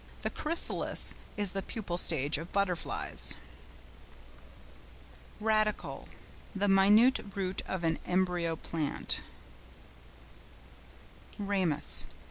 The chrysalis is the pupal state of butterflies. RADICLE.—The minute root of an embryo plant. RAMUS.